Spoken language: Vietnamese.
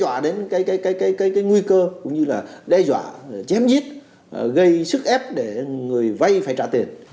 những cái việc làm mà đe dọa đến cái nguy cơ cũng như là đe dọa chém giết gây sức ép để người vay phải trả tiền